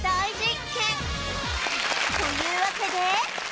というわけで